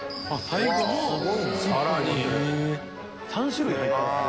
３種類入ってます